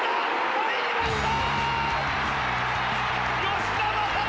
入りました！